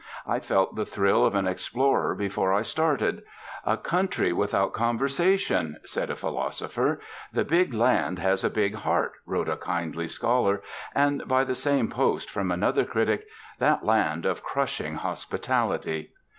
I felt the thrill of an explorer before I started. "A country without conversation," said a philosopher. "The big land has a big heart," wrote a kindly scholar; and, by the same post, from another critic, "that land of crushing hospitality!"